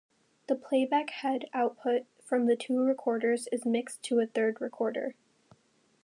The playback-head output from the two recorders is mixed to a third recorder.